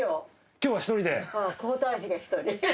今日は１人で。